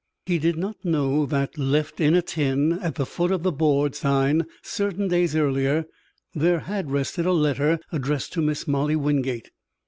He did not know that, left in a tin at the foot of the board sign certain days earlier, there had rested a letter addressed to Miss Molly Wingate.